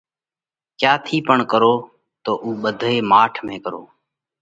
ڪيا ٿِي پڻ ڪرو تو اُو ٻڌوئي ماٺ ۾ ڪرو۔